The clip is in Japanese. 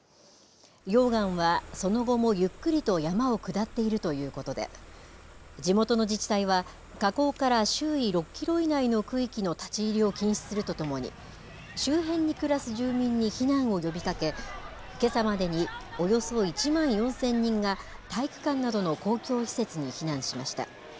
溶岩はその後もゆっくりと山を下っているということで、地元の自治体は、火口から周囲６キロ以内の区域の立ち入りを禁止するとともに、周辺に暮らす住民に避難を呼びかけ、けさまでにおよそ１万４０００人が、体育館などの公共施設に避難しました。